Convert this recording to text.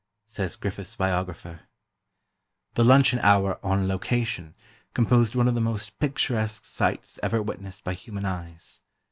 Says Griffith's biographer: The luncheon hour "on location" composed one of the most picturesque sights ever witnessed by human eyes.